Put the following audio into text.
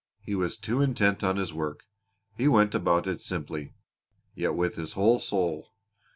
He was too intent on his work. He went about it simply, yet with his whole soul.